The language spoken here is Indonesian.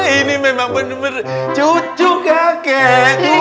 ini memang bener bener cucu kakek